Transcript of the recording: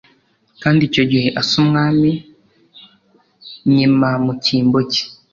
Kandi icyo gihe Asa umwami nyima mu cyimbo cye